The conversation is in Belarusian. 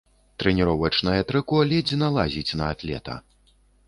Трэніровачнае трыко ледзь налазіць на атлета.